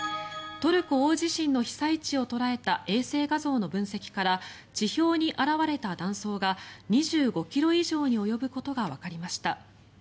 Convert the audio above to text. トルコ大地震の被災地を捉えた衛星画像の分析から地表に現れた断層が２５ｋｍ以上に及ぶことがわかりました。